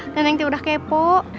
dan yang itu udah kepo